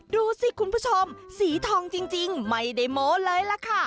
ดูสิคุณผู้ชมสีทองจริงไม่ได้โม้เลยล่ะค่ะ